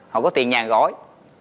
họ có tiền nhà gói